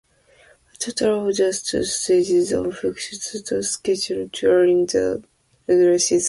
A total of just two "stages" of fixtures were scheduled during the regular season.